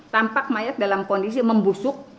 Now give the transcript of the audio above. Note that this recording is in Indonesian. tampak mayat dalam kondisi membusuk